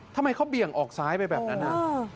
ทำไมเขาเบี่ยงออกซ้ายไปแบบนั้นนะ